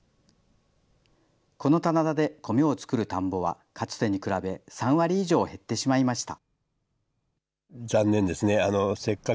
この棚田で米を作る田んぼは、かつてに比べ３割以上減ってしまいました。